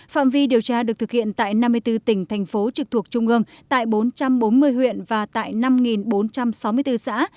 phạm vi điều tra được thực hiện tại năm mươi bốn tỉnh thành phố trực thuộc trung ương tại bốn trăm bốn mươi huyện và tại năm bốn trăm sáu mươi bốn xã